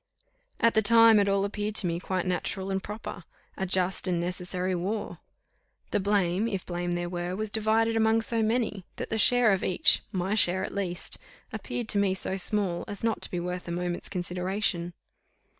At the time it all appeared to me quite natural and proper; a just and necessary war. The blame, if blame there were, was divided among so many, that the share of each, my share at least, appeared to me so small, as not to be worth a moment's consideration.